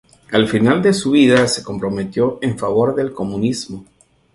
Al final de su vida se comprometió en favor del comunismo.